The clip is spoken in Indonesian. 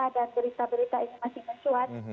dan peristabilitas ini masih mencuat